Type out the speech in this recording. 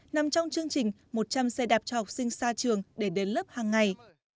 nằm trong chương trình một trăm linh xe đạp cho học sinh xa trường để đến lớp hàng ngày